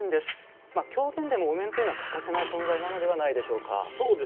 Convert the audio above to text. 狂言でもお面というのは欠かせない存在なのではないでしょうか？